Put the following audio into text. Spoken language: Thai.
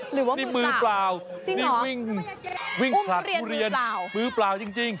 หรือว่ามือเปล่าจริงเหรออุ้มผลักมือเปล่ามือเปล่าจริง